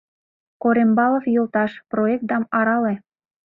Корембалов йолташ, проектдам арале...